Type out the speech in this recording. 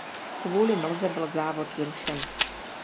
Kvůli mlze byl závod zrušen.